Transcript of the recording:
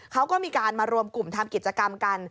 เขาก็มีการมารวมกลุ่มทำกิจกรรมกัน